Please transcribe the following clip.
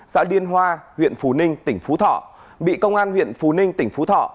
xã điên hoa huyện phú ninh tỉnh phú thọ bị công an huyện phú ninh tỉnh phú thọ